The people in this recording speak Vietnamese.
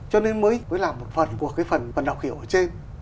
cho nên mới làm một phần của cái phần đọc hiểu ở trên